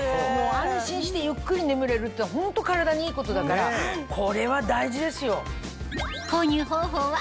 安心してゆっくり眠れるっていうのはホント体にいいことだからこれは大事ですよ。